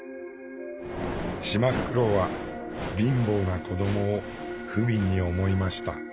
シマフクロウは貧乏な子どもを不憫に思いました。